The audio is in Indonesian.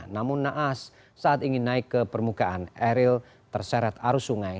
namun naas saat ingin naik ke permukaan eril terseret arus sungai